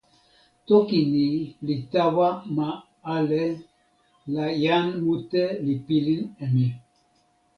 toki ni li tawa ma ale la jan mute li pilin e ni.